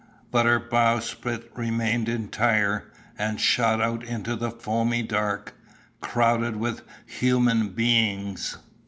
But her bowsprit remained entire, and shot out into the foamy dark, crowded with human beings.